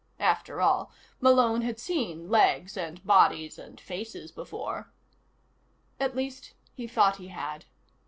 After all, Malone had seen legs and bodies and faces before. At least, he thought he had.